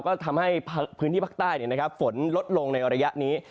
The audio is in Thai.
ก็ทำให้พื้นที่ภาคใต้ฝนลดลงในระยะนี้